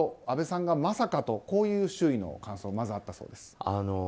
あべさんがまさかという周囲の感想がまずあったそうです。